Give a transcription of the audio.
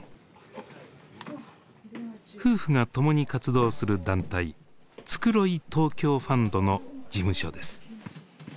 夫婦が共に活動する団体「つくろい東京ファンド」の事務所です。